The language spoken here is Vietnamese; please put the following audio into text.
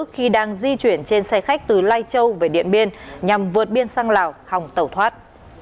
khi đang di chuyển trên xe khách từ lai châu về điện biên nhằm vượt biên sang lào hòng tẩu thoát